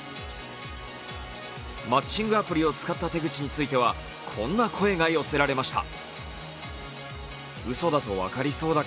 マッチングアプリを使った手口についてはこんな声が寄せられました。